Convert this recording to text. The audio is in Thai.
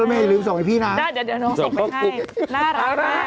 เออรดเมย์จริงส่งให้พี่นะเดี๋ยวโน้นส่งไปให้น่ารักมาก